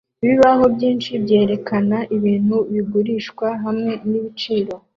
Ibibaho byinshi byerekana ibintu bigurishwa hamwe nibiciro